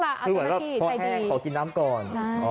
เพราะเหมือนได้พอแห้งขอกินน้ำก่อน